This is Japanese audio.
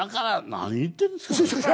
何言ってんですか？